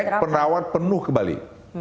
kita cek penerawat penuh ke bali